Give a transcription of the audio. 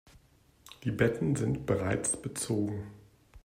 Die Betten sind bereits bezogen.